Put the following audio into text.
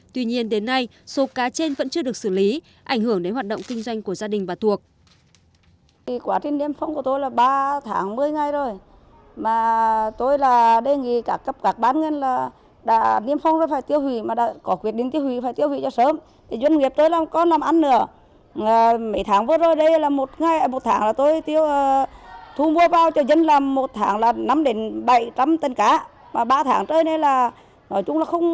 tuy nhiên đến nay số cá trên vẫn chưa được xử lý ảnh hưởng đến hoạt động kinh doanh của gia đình bà thuộc